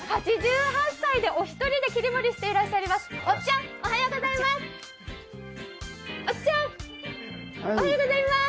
８８歳でお一人で切り盛りしていらっしゃいます。